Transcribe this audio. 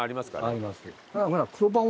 あります。